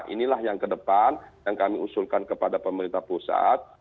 inilah yang kedepan yang kami usulkan kepada pemerintah pusat